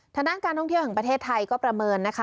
ทางด้านการท่องเที่ยวแห่งประเทศไทยก็ประเมินนะคะ